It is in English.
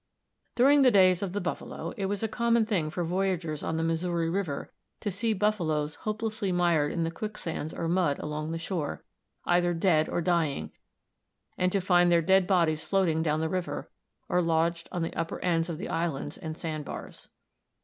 During the days of the buffalo it was a common thing for voyagers on the Missouri River to see buffaloes hopelessly mired in the quicksands or mud along the shore, either dead or dying, and to find their dead bodies floating down the river, or lodged on the upper ends of the islands and sand bars.